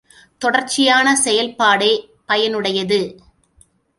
தொடர்ச்சியான செயற்பாடே பயனுடையது.